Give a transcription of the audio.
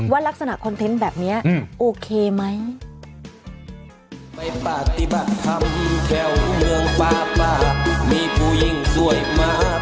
ลักษณะคอนเทนต์แบบนี้โอเคไหม